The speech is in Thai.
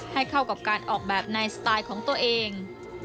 ให้เข้ากับการออกแบบในสไตล์ของตัวเอง